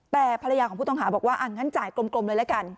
แต่ภรรยาของผู้ต้องหาบอกว่าอ่ะงั้นจ่ายกลมเลยละกัน